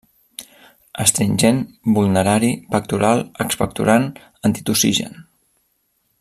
Astringent, vulnerari, pectoral, expectorant, antitussigen.